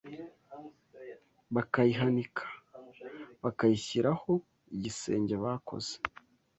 Bakayihanika: bakayishyiraho igisenge bakoze